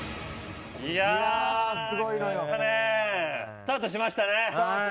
スタートしましたね。